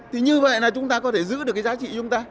thì như vậy là chúng ta có thể giữ được cái giá trị chúng ta